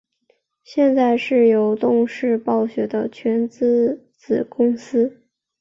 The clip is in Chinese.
现在是由动视暴雪的全资子公司。